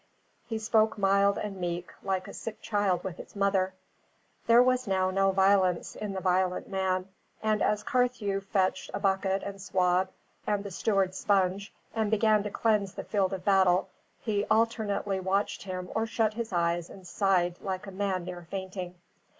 He spoke mild and meek, like a sick child with its mother. There was now no violence in the violent man; and as Carthew fetched a bucket and swab and the steward's sponge, and began to cleanse the field of battle, he alternately watched him or shut his eyes and sighed like a man near fainting.